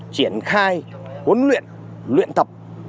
triển khai huấn luyện luyện tập